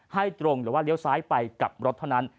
ให้ตรงหรือว่าเลี้ยวซ้ายไปกับรถเท่านั้น